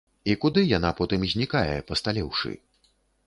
І куды яна потым знікае, пасталеўшы?